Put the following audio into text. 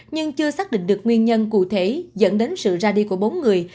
nhưng chưa xác định được nguyên nhân cụ thể dẫn đến sự ra đi của bốn người